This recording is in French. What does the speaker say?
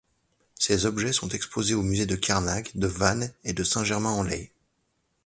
Ces objets sont exposés aux musées de Carnac, de Vannes et de Saint-Germain-en-Laye.